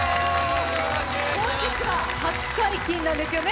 本日が初解禁なんですよね。